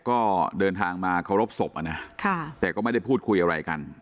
ก็เดินทางมาเคารพศพนะแต่ก็ไม่ได้พูดคุยอะไรกัน